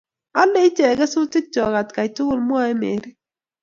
olei ichek kesutikcho atkai tugul, mwoei Mary